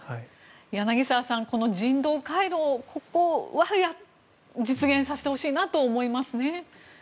柳澤さん、人道回廊は実現させてほしいなと思いますね。